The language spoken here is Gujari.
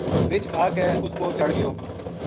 رچھ آ کے اس پو چڑھ گیو